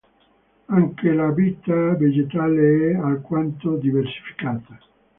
Anche la vita vegetale è alquanto diversificata.